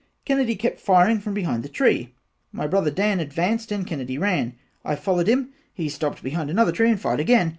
Kennedy kept firing from behind the tree my brother Dan advanced and Kennedy ran I followed him he stopped behind another tree and fired again.